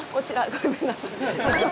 ごめんなさい。